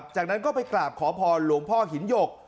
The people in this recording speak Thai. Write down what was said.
จากนั้นก็ไปกราบขอพรหลวงพ่อหินหยก